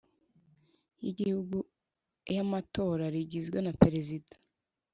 y Igihugu y Amatora rigizwe na Perezida